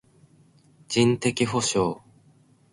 人的補償